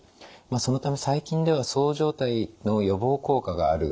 そのため最近ではそう状態の予防効果がある薬